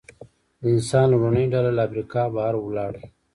د انسان لومړنۍ ډلې له افریقا بهر ولاړې.